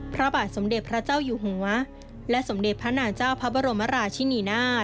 ภรรษสมเด็จพระเจ้าอยู่หัวและสมเด็จพระนาจาวพระบรมราษฎิเงิน